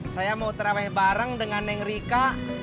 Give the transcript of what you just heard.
saya mau terawih bareng dengan neng rika